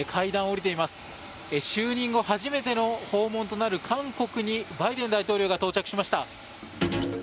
就任後初めての訪問となる韓国にバイデン大統領が到着しました。